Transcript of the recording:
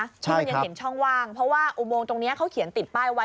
ที่มันยังเห็นช่องว่างเพราะว่าอุโมงตรงนี้เขาเขียนติดป้ายไว้